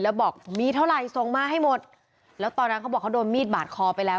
แล้วบอกมีเท่าไหร่ส่งมาให้หมดแล้วตอนนั้นเขาบอกเขาโดนมีดบาดคอไปแล้ว